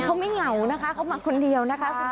เขาไม่เหงานะคะเขามาคนเดียวนะคะ